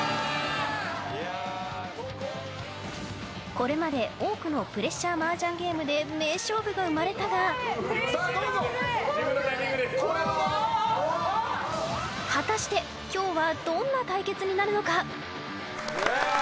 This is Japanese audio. これまで、多くのプレッシャーマージャンゲームで名勝負が生まれたが果たして、今日はどんな対決になるのか！